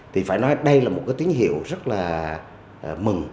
thì phải nói đây là một cái tín hiệu rất là mừng